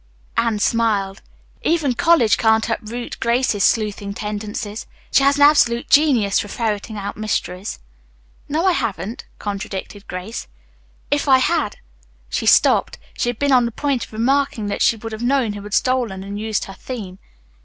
Anne smiled. "Even college can't uproot Grace's sleuthing tendencies. She has an absolute genius for ferreting out mysteries." "No, I haven't," contradicted Grace. "If I had " she stopped. She had been on the point of remarking that she would have known who had stolen and used her theme.